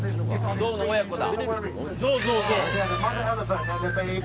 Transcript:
ゾウの親子だ。